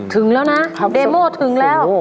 ถึงแล้วนะเดโม่ถึงแล้ว